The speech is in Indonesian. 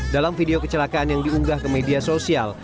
dalam video kecelakaan yang diunggah ke media sosial